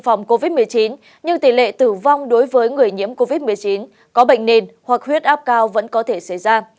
phòng covid một mươi chín nhưng tỷ lệ tử vong đối với người nhiễm covid một mươi chín có bệnh nền hoặc huyết áp cao vẫn có thể xảy ra